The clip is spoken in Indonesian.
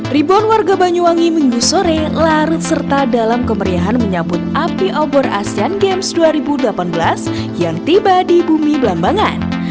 ribuan warga banyuwangi minggu sore larut serta dalam kemeriahan menyambut api obor asean games dua ribu delapan belas yang tiba di bumi belambangan